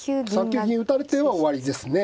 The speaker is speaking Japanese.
３九銀打たれては終わりですね。